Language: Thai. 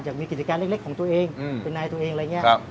อยากมีกิจการเล็กของตัวเองอืมเป็นนายตัวเองอะไรอย่างเงี้ยครับ